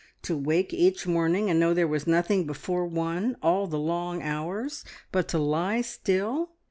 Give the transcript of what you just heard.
To wake each morning and know there was nothing before one all the long hours, but to lie still!